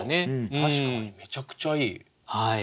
確かにめちゃくちゃいい。